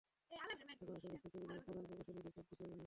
এখন এসব রাস্তা তৈরির জন্য প্রধান প্রকৌশলীদের চাপ দিতে হবে না।